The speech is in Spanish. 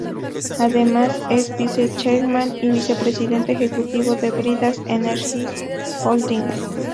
Además, es Vice Chairman y Vicepresidente Ejecutivo de Bridas Energy Holding.